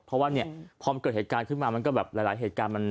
เพราะว่าเนี่ยพอมันเกิดเหตุการณ์ขึ้นมามันก็แบบหลายเหตุการณ์มัน